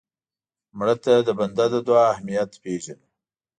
مړه ته د بنده د دعا اهمیت پېژنو